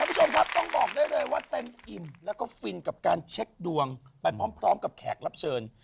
คุณผู้ชมครับต้องบอกได้เลยว่าเต็มอิ่มแล้วก็ฟินกับการเช็คดวงไปพร้อมกับแขกรับเชิญ